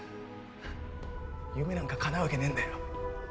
夢なんかかなうわけねえんだよ。